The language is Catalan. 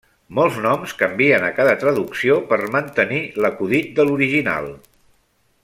Molts noms canvien a cada traducció per mantenir l'acudit de l'original.